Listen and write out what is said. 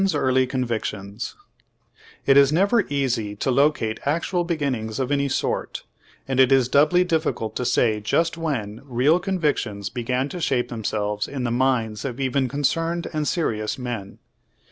LINCOLN'S EAULY CONVICTIONS It is never easy to locate actual beginnings of any sort, and it is doubly difficult to say just when real convictions began to shape themselves in the minds of even concerned and serious m.en.